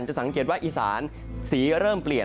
จะสังเกตว่าอีสานสีเริ่มเปลี่ยน